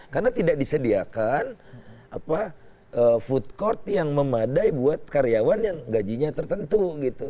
karena tidak disediakan food court yang memadai buat karyawan yang gajinya tertentu gitu